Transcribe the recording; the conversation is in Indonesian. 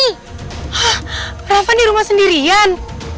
hah kenapa di rumah sendirian